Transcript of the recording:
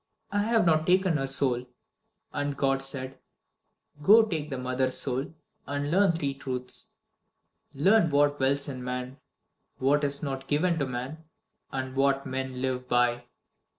I have not taken her soul.' And God said: 'Go take the mother's soul, and learn three truths: Learn What dwells in man, What is not given to man, and What men live by.